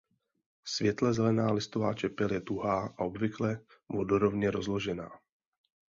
Světle zelená listová čepel je tuhá a obvykle vodorovně rozložená.